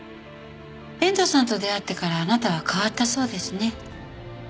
遠藤さんと出会ってからあなたは変わったそうですね。